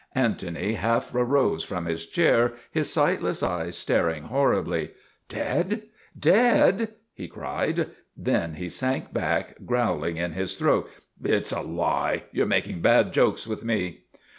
Antony half rose from his chair, his sightless eyes staring horribly. " Dead? Dead? " he cried. Then he sank back, growling in his throat. ' It is a lie ! You are mak ing bad jokes with me."